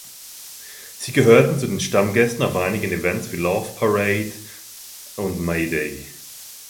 Sie gehörten zu den Stammgästen auf einigen Events wie Love Parade und Mayday.